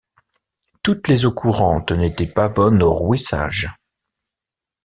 Toutes les eaux courantes n'étaient pas bonnes au rouissage.